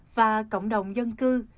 và cộng đồng dân cư